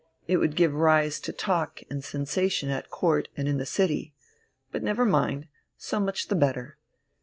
It would give rise to talk and sensation at Court and in the city. But never mind, so much the better.